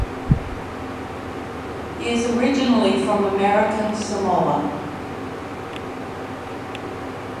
He is originally from American Samoa.